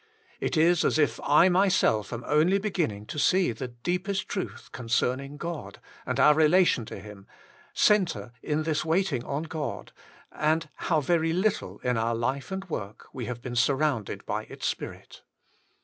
It is as if I myself am only beginning to see the deepest truth concerning God, and our relation to Him, centre in this IS 14 ?RRFACB waiting on God, and how very little, in our life and work, we have been surrounded by its spirit.